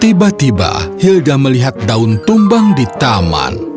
tiba tiba hilda melihat daun tumbang di taman